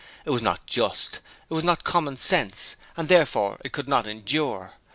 It was not just, it was not common sense, and therefore it could not endure.